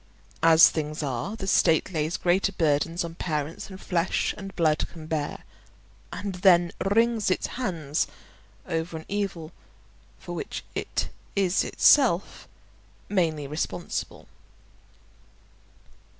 As things are, the state lays greater burdens on parents than flesh and blood can bear, and then wrings its hands over an evil for which it is itself mainly responsible.